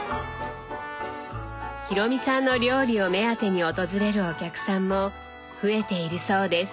裕美さんの料理を目当てに訪れるお客さんも増えているそうです。